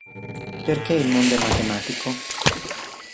Perché il mondo è matematico?